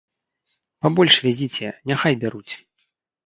Пабольш вязіце, няхай бяруць.